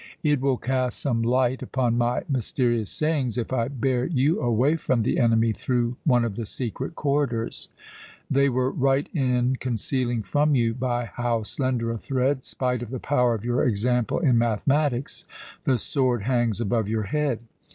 It will cast some light upon my mysterious sayings if I bear you away from the enemy through one of the secret corridors. They were right in concealing from you by how slender a thread, spite of the power of your example in mathematics, the sword hangs above your head.